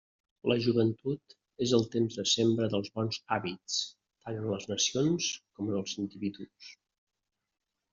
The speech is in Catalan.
La joventut és el temps de sembra dels bons hàbits, tant en les nacions com en els individus.